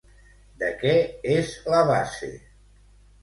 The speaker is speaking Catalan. De què és la base?